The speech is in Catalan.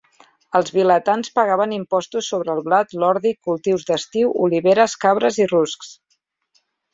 Els vilatans pagaven impostos sobre el blat, l'ordi, cultius d'estiu, oliveres, cabres i ruscs.